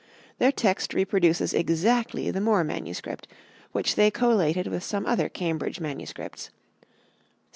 Their text "reproduces exactly the Moore MS." which they collated with some other Cambridge MSS.